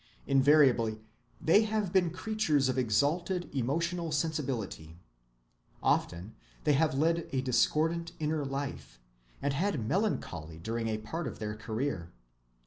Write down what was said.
Invariably they have been creatures of exalted emotional sensibility. Often they have led a discordant inner life, and had melancholy during a part of their career.